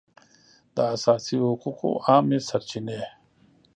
د اساسي حقوقو عامې سرچینې